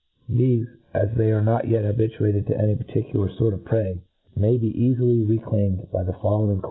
Thefe, as they are not yet habituated to any particular fort of prey, may be eafily reclaimed by the following courfe.